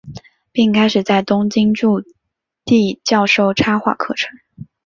并开始在东京筑地教授插画课程。